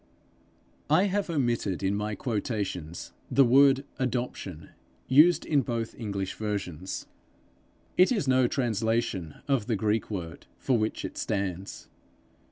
I have omitted in my quotations the word adoption used in both English versions: it is no translation of the Greek word for which it stands.